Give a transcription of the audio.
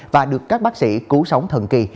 và được các bác sĩ cứu sống thần kỳ